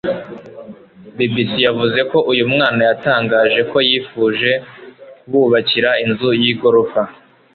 BBC yavuze ko uyu mwana yatangaje ko yifuje kububakira inzu y'igorofa